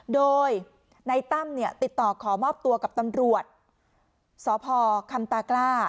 โดยในตั้มเนี่ยติดต่อขอมอบตัวกับตำรวจสพคำตากล้า